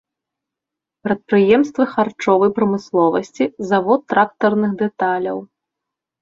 Прадпрыемствы харчовай прамысловасці, завод трактарных дэталяў.